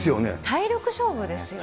体力勝負ですよね。